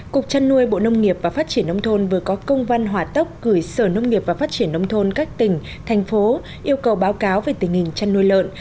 cục chăn nuôi bộ nông nghiệp và phát triển nông thôn vừa có công văn hỏa tốc gửi sở nông nghiệp và phát triển nông thôn các tỉnh thành phố yêu cầu báo cáo về tình hình chăn nuôi lợn